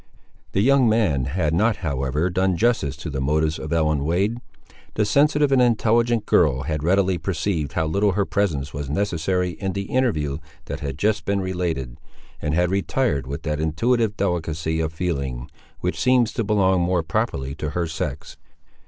The young man had not however done justice to the motives of Ellen Wade. The sensitive and intelligent girl had readily perceived how little her presence was necessary in the interview that has just been related, and had retired with that intuitive delicacy of feeling which seems to belong more properly to her sex.